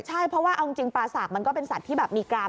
ใช่เพราะว่าเอาจริงปลาสากมันก็เป็นสัตว์ที่แบบมีกราม